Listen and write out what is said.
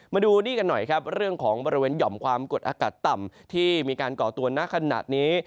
มาดูนี่กันหน่อยครับเรื่องของบริเวณหย่อมความกดอากาศต่ำที่มีการก่อตัวณขณะนี้